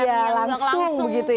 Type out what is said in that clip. ya langsung begitu ya